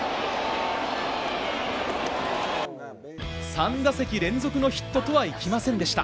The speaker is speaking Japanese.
３打席連続のヒットとはいきませんでした。